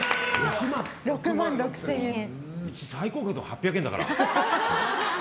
うち最高額でも８００円だから。